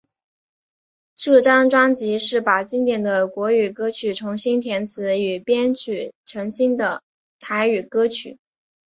这张专辑是把经典的国语歌曲重新填词与编曲成新的台语歌曲。